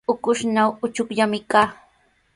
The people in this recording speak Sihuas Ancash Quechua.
Ukushnaw uchukllami kaa.